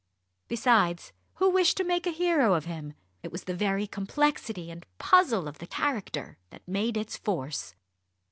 Besides, who wished to make a hero of him? It was the very complexity and puzzle of the character that made its force.